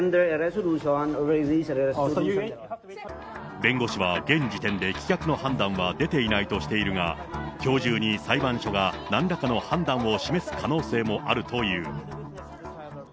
弁護士は現時点で棄却の判断は出ていないとしているが、きょう中に裁判所がなんらかの判断を示す可能性もあるという。